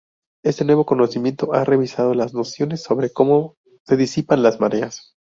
Este nuevo conocimiento ha revisado las nociones sobre cómo se disipan las mareas.